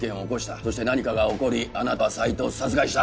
そして何かが起こりあなたは斎藤を殺害した。